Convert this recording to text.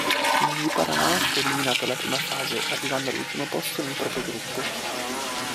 Il Ji-Paraná fu eliminato alla prima fase, arrivando all'ultimo posto nel proprio gruppo.